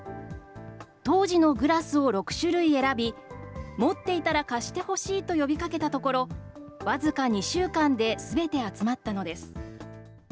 当時のグラスを６種類選び、持っていたら貸してほしいと呼びかけたところ、僅か２週間ですべて集まったのです。